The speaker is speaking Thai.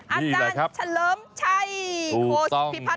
นี่คืออาจารย์เฉลิมชัยโคสิตพิพัท